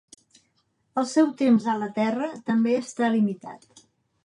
El seu temps a la Terra també està limitat.